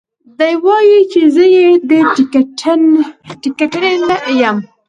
دى وايي چې زه يې ټکټنى يم.